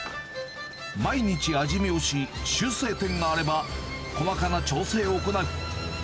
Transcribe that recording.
毎日味見をし、修正点があれば、細かな調整を行う。